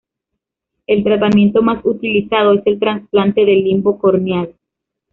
El tratamiento más utilizado es el trasplante de limbo corneal.